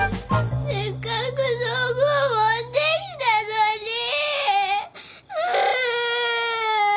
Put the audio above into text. せっかく道具を持ってきたのにぃ。